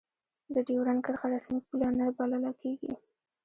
د دیورند کرښه رسمي پوله نه بلله کېږي.